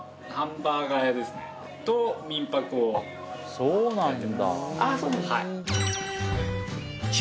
そうなんだ。